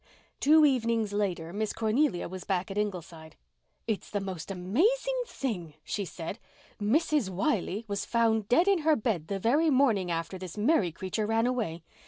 Two evenings later Miss Cornelia was back at Ingleside. "It's the most amazing thing!" she said. "Mrs. Wiley was found dead in her bed the very morning after this Mary creature ran away.